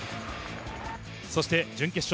そして準決勝